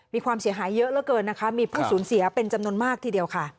มีความเสียหายเยอะเหลือเกินนะคะมีผู้สูญเสียเป็นจำนวนมากทีเดียวค่ะ